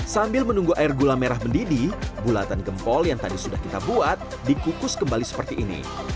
sambil menunggu air gula merah mendidih bulatan gempol yang tadi sudah kita buat dikukus kembali seperti ini